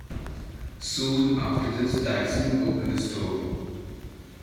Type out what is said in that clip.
Soon after this, Tyson opened a store.